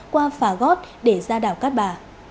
qua phà gót để ra đảo cát bà